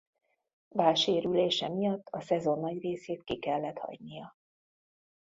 Vállsérülése miatt a szezon nagy részét ki kellett hagynia.